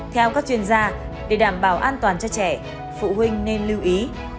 theo các chuyên gia để đảm bảo an toàn cho trẻ phụ huynh nên lưu ý